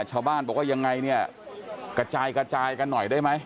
ชาวบ้านบอกว่ายังไงเนี่ยกระจายกระจายกันหน่อยได้ไหม